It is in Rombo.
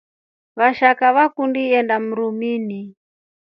Vashaka vakundi indaa mrumini.